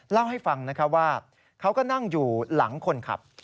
เล่าให้ฟังว่าเขาก็นั่งอยู่หลังคนขับ